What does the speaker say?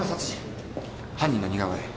犯人の似顔絵。